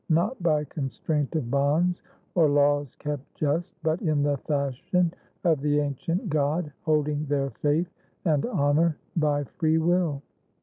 Not by constraint of bonds or laws kept just, But in the fashion of the ancient god Holding their faith and honor by free will.